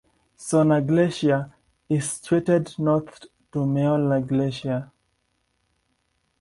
Sona glacier is situated north to Meola glacier.